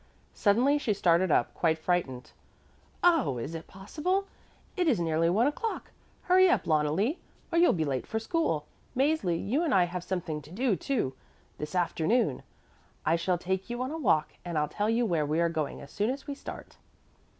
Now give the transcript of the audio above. "Suddenly she started up, quite frightened. Oh, is it possible? It is nearly one o'clock. Hurry up, Loneli, or you'll be late for school. Mäzli, you and I have something to do, too, this afternoon. I shall take you on a walk and I'll tell you where we are going as soon as we start."